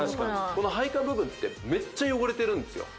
この配管部分ってメッチャ汚れてるんですよ